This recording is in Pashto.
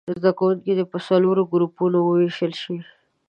زده کوونکي په څلورو ګروپونو ووېشل شي.